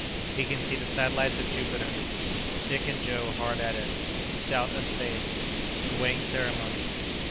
—He can see the Satellites of Jupiter.—Dick and Joe hard at it.—Doubt and Faith.—The Weighing Ceremony.